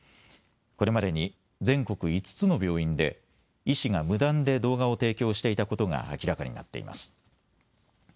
これまでに全国５つの病院で医師が無断で動画を提供していたことが明らかになっています。